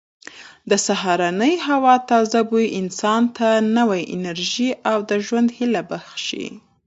د سهارنۍ هوا تازه بوی انسان ته نوې انرژي او د ژوند هیله بښي.